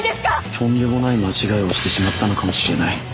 とんでもない間違いをしてしまったのかもしれない。